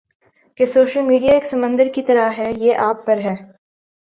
کہ social media ایک سمندر کی طرح ہے یہ آپ پر ہے